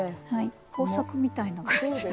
工作みたいな感じで。